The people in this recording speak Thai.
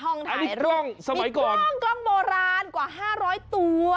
ห้องถ่ายรูปมีกล้องกล้องโบราณกว่า๕๐๐ตัว